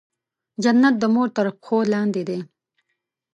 جنت د مور تر پښو لاندې دی.